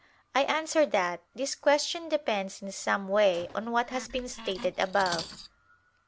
I answer that, This question depends in some way on what has been stated above (A.